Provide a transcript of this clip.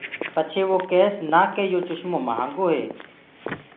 پڇي وو ڪيس نآ ڪي يو چسمو مهآنگو هي۔